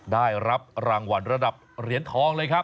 ได้รับรางวัลระดับเหรียญทองเลยครับ